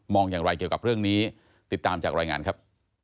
อย่างไรเกี่ยวกับเรื่องนี้ติดตามจากรายงานครับ